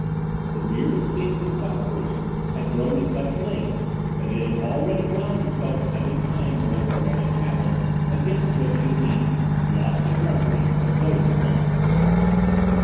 The beard of King Xixouthros had grown to such lengths that it had already wound itself seven times around the granite table against which he leaned, lost in reverie, as though in slumber.